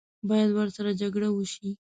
باید ورسره جګړه وشي.